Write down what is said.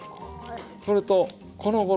それとこのごろ